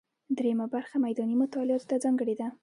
درېیمه برخه میداني مطالعاتو ته ځانګړې ده.